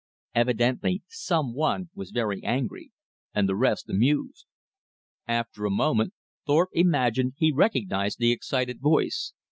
Evidently some one was very angry, and the rest amused. After a moment Thorpe imagined he recognized the excited voice.